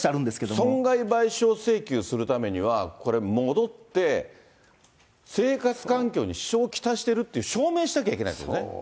損害賠償請求するためには、これ、戻って、生活環境に支障を来してるっていう証明しなきゃいけないんですね。